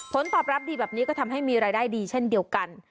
ผลตอบรับดีแบบนี้ก็ทำให้มีรายได้ดีเช่นเดียวกัน